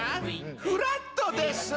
フラットです。